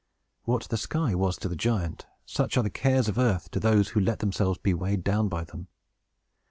What the sky was to the giant, such are the cares of earth to those who let themselves be weighed down by them.